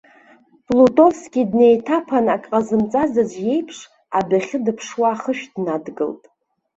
Плутовски днеиҭаԥан ак ҟазымҵаз аӡәы иеиԥш, адәахьы дыԥшуа ахышә днадгылт.